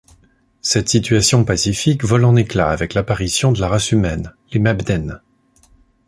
Cette situation pacifique vole en éclats avec l'apparition de la race humaine, les Mabdens.